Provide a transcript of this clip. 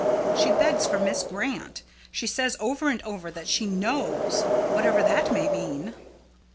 "She begs for Miss Grant. She says over and over that she 'knows,' whatever that may mean."